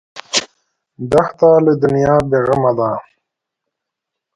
دښته له دنیا بېغمه ده.